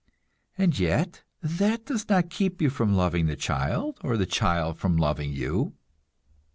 And yet, that does not keep you from loving the child, or the child from loving you.